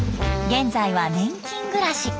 現在は年金暮らし。